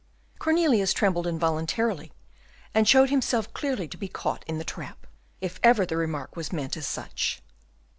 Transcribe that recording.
Cornelius trembled involuntarily, and showed himself clearly to be caught in the trap, if ever the remark was meant as such.